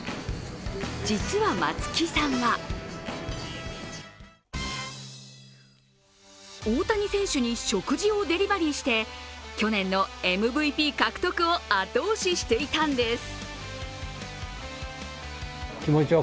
実は松木さんは、大谷選手に食事をデリバリーして去年のＭＶＰ獲得を後押ししていたんです。